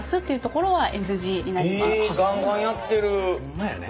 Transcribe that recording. ほんまやね。